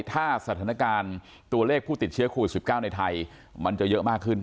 ถ้าสถานการณ์ตัวเลขผู้ติดเชื้อโควิด๑๙ในไทยมันจะเยอะมากขึ้น